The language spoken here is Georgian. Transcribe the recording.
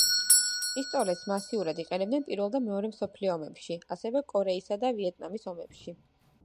პისტოლეტს მასიურად იყენებდნენ პირველ და მეორე მსოფლიო ომებში, ასევე კორეისა და ვიეტნამის ომში.